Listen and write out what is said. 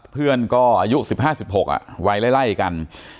เพื่อนก็อายุสิบห้าสิบหกอ่ะไว้ล่ะไล่กัน